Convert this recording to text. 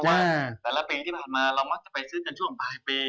ว่าแต่ละปีที่ผ่านมาเรามักจะไปซื้อกันช่วงปลายปี